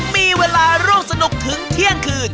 มีเวลาร่วมสนุกถึงเที่ยงคืน